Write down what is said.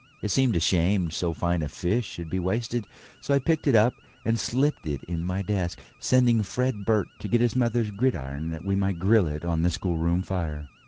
It seemed a shame so fine a fish should be wasted, so I picked it up and slipped it in my desk, sending Fred Burt to get his mother's gridiron that we might grill it on the schoolroom fire.